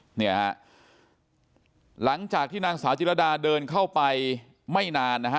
หลังจากที่นางสาวจิกระดาษเดินเข้าไปไม่นานนะฮะ